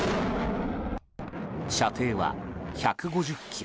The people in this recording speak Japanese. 射程は１５０ｋｍ。